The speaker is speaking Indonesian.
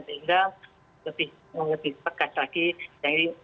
sehingga lebih pekat lagi